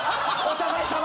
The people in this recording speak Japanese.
お互い様。